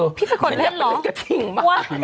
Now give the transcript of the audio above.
พี่ไปก่อนเล่นหรอว้าวอะไรอ่ะ